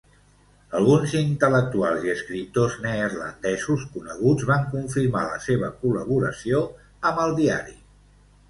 Alguns intel·lectuals i escriptors neerlandesos coneguts van confirmar la seva col·laboració amb el diari.